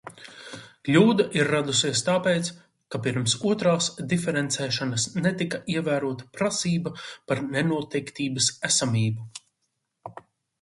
Kļūda ir radusies tāpēc, ka pirms otrās diferencēšanas netika ievērota prasība par nenoteiktības esamību.